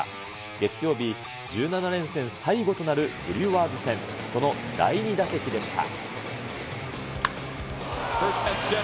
月曜日、１７連戦最後となるブリュワーズ戦、その第２打席でした。